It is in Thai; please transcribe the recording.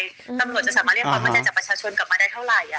ตำรวจจะสามารถเรียกความมั่นใจจากประชาชนกลับมาได้เท่าไหร่